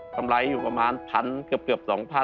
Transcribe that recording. กำไรอยู่ประมาณ๑๐๐เกือบ๒๐๐๐